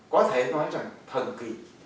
có thể nói rằng thần kỳ